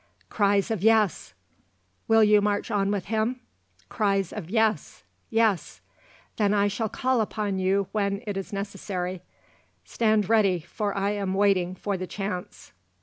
(Cries of "Yes.") Will you march on with him? (Cries of "Yes, yes.") Then I shall call upon you when it is necessary. Stand ready, for I am waiting for the chance."